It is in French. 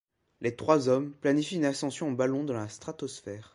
Les trois hommes planifient une ascension en ballon dans la stratosphère.